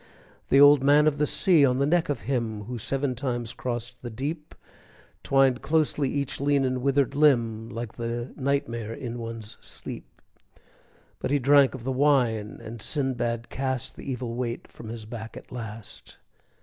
The Old Man of the Sea, on the neck of him Who seven times crossed the deep, Twined closely each lean and withered limb, Like the nightmare in one's sleep. But he drank of the wine, and Sindbad cast The evil weight from his back at last.